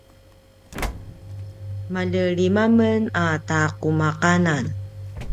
malje lima men a taqumaqanan